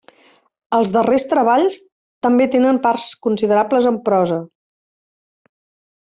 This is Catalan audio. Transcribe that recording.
Els darrers treballs també tenen parts considerables en prosa.